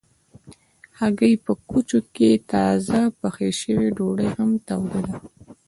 هګۍ په کوچو کې تازه پخې شوي ډوډۍ هم توده ده.